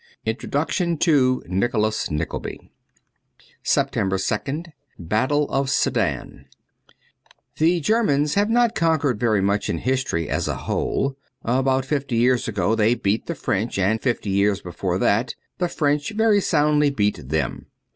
Introduction to ^Nicholas Nickleby.' 274 SEPTEMBER 2nd BATTLE OF SEDAN THE Germans have not conquered very much in history as a whole. About fifty years ago they beat the French and fifty years before that the French very soundly beat them.